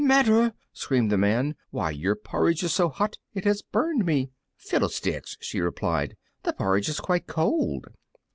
"Matter!" screamed the Man; "why, your porridge is so hot it has burned me." "Fiddlesticks!" she replied, "the porridge is quite cold."